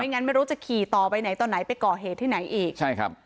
งั้นไม่รู้จะขี่ต่อไปไหนตอนไหนไปก่อเหตุที่ไหนอีกใช่ครับ